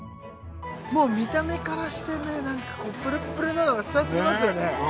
もう見た目からしてね何かこうプルップルなのが伝わってきますよね